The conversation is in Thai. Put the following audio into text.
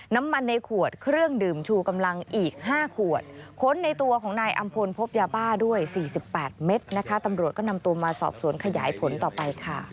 ในขวดเครื่องดื่มชูกำลังอีก๕ขวดค้นในตัวของนายอำพลพบยาบ้าด้วย๔๘เม็ดนะคะตำรวจก็นำตัวมาสอบสวนขยายผลต่อไปค่ะ